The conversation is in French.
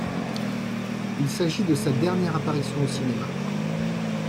Il s'agit de sa dernière apparition au cinéma.